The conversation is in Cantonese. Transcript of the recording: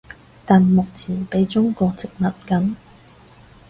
但目前畀中國殖民緊